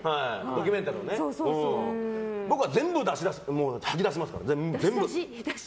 僕は全部吐き出しますから。